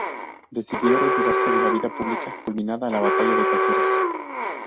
Decidió retirarse de la vida pública culminada la Batalla de Caseros.